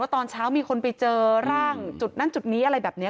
ตอนเช้ามีคนไปเจอร่างจุดนั้นจุดนี้อะไรแบบนี้